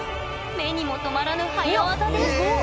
目にも留まらぬ早技です！